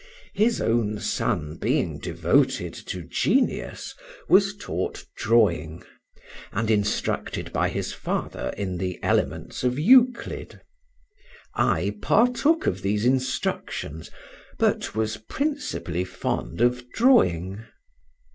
His own son being devoted to genius, was taught drawing, and instructed by his father in the elements of Euclid; I partook of these instructions, but was principally fond of drawing.